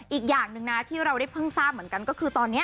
อีกอย่างหนึ่งนะที่เราได้เพิ่งทราบเหมือนกันก็คือตอนนี้